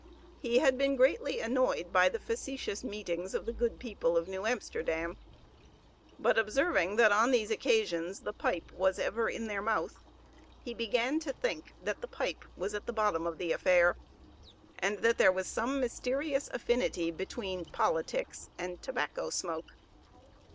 He had been greatly annoyed by the facetious meetings of the good people of New Amsterdam, but observing that on these occasions the pipe was ever in their mouth, he began to think that the pipe was at the bottom of the affair, and that there was some mysterious affinity between politics and tobacco smoke.